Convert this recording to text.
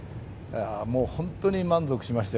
もう本当に満足しました。